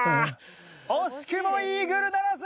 惜しくもイーグルならず！